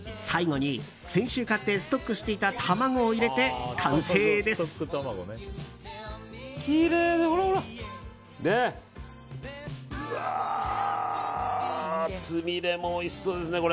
最後に先週買ってストックしていた卵を入れてきれいです。